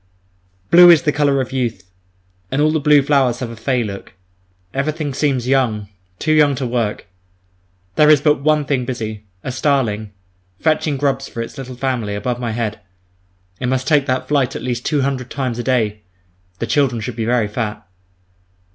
Blue is the colour of youth, and all the blue flowers have a "fey" look. Everything seems young too young to work. There is but one thing busy, a starling, fetching grubs for its little family, above my head—it must take that flight at least two hundred times a day. The children should be very fat.